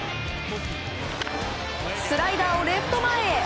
スライダーをレフト前へ。